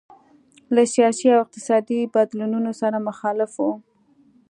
له سیاسي او اقتصادي بدلونونو سره مخالف وو.